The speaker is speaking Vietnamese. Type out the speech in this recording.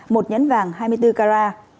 một nhẫn vàng hai mươi bốn carat